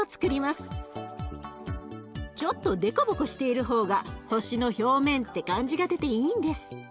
ちょっとデコボコしている方が星の表面って感じが出ていいんです。